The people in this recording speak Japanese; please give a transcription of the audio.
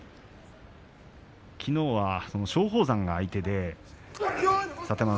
きのうは松鳳山が相手でした。